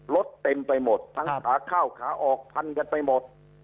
รถเต็มไปหมดทั้งขาเข้าขาออกพันกันไปหมด